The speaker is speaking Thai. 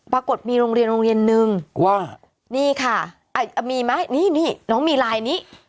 ปรากฏมีโรงเรียนนึงนี่ค่ะมีไหมนี่น้องมีลายนี้